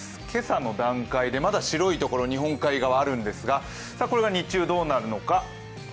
今朝の段階でまだ白い所日本海側あるんですが、これが日中どうなるのか。